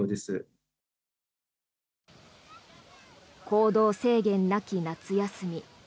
行動制限なき夏休み。